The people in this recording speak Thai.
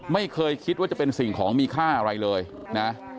ไม่เคยคิดว่าจะเป็นสิ่งของมีค่าอะไรเลยนะ